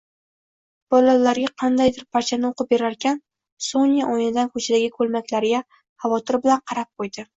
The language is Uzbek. Bolalarga qandaydir parchani oʻqib berarkan, Sonya oynadan koʻchadagi koʻlmaklarga xavotir bilan qarab qoʻydi